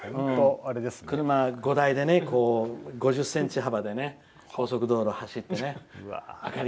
車５台で５０ｃｍ幅で高速道路を走ってね。